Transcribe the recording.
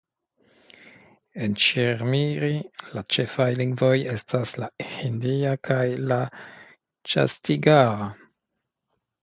En Ĉirmiri la ĉefaj lingvoj estas la hindia kaj la ĉatisgara.